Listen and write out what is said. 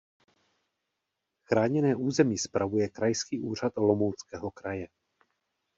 Chráněné území spravuje Krajský úřad Olomouckého kraje.